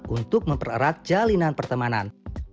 untuk mempererat jalinan pertemanan